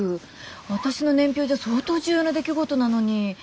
私の年表じゃ相当重要な出来事なのに。